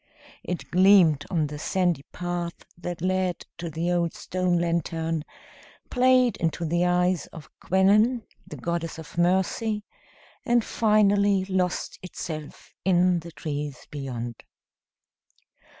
It gleamed on the sandy path that led to the old stone lantern, played into the eyes of Kwannon, the Goddess of Mercy, and finally lost itself in the trees beyond.